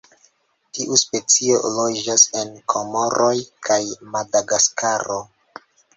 Tiu specio loĝas en Komoroj kaj Madagaskaro.